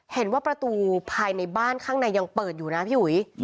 เห็นว่าประตูภายในบ้านข้างในยังเปิดอยู่นะพี่อุ๋ย